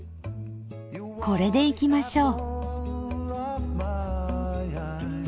これでいきましょう。